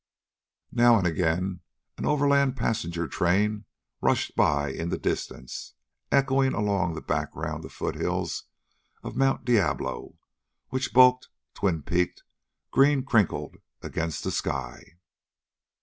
Now and again an overland passenger train rushed by in the distance, echoing along the background of foothills of Mt. Diablo, which bulked, twin peaked, greencrinkled, against the sky.